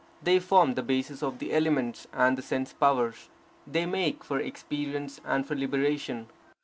They form the basis of the elements and the sense powers. They make for experience and for liberation.